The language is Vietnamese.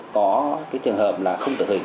có trường hợp là không tự hình